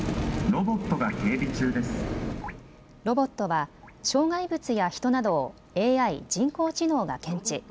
ロボットは障害物や人などをＡＩ・人工知能が検知。